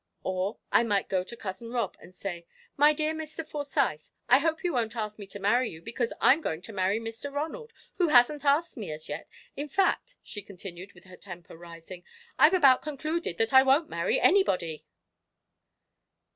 Or, I might go to Cousin Rob and say, 'My dear Mr. Forsyth, I hope you won't ask me to marry you, because I'm going to marry Mr. Ronald, who hasn't asked me as yet. In fact," she continued, with her temper rising, "I've about concluded that I won't marry anybody!"